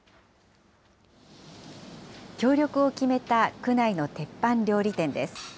協力を決めた区内の鉄板料理店です。